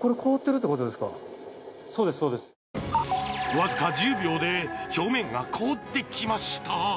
わずか１０秒で表面が凍ってきました。